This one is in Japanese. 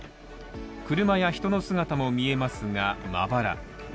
車や人の姿も見えますが、まばら。